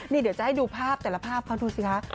เดี๋ยวจะให้ดูภาพแต่ละภาพเขาดูสิคะ